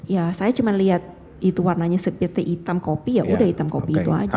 ya saya cuma lihat itu warnanya seperti hitam kopi ya udah hitam kopi itu aja